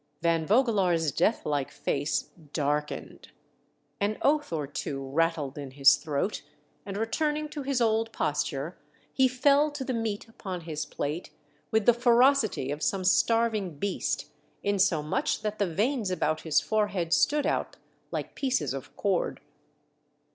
Van VoQfelaar's death like face darkened. An oath or two rattled in his throat, and re turning to his old posture he fell to the meat upon his plate with the ferocity of some starving beast, insomuch that the veins about his forehead stood out like pieces of cord.